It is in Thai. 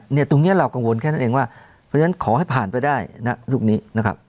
ตรงนี้เรากังวลแค่นั้นเองว่าเพราะฉะนั้นขอให้ผ่านไปได้นะลูกนี้นะครับ